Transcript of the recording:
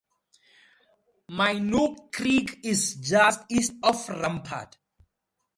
Minook Creek is just east of Rampart.